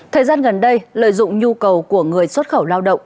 thời gian gần đây lợi dụng nhu cầu của người xuất khẩu lao động